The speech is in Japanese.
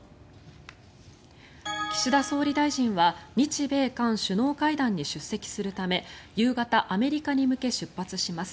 岸田総理大臣は日米韓首脳会談に出席するため夕方、アメリカに向け出発します。